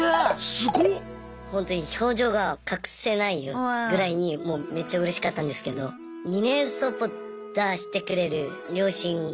ほんとに表情が隠せないぐらいにもうめっちゃうれしかったんですけど２年サポート出してくれる両親。